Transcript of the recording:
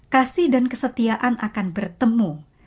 kasih dan kesetiaan akan bertemu